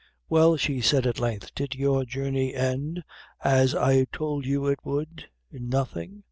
"Well," she at length said, "did your journey end, as I tould you it would, in nothing?